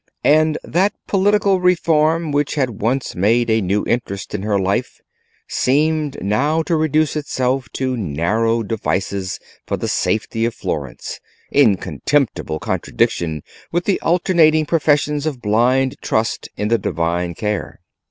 And that political reform which had once made a new interest in her life seemed now to reduce itself to narrow devices for the safety of Florence, in contemptible contradiction with the alternating professions of blind trust in the Divine care.